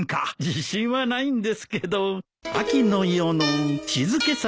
自信はないんですけど。